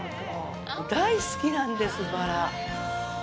大好きなんです、バラ！